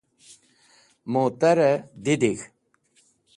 Mutar e didig̃h.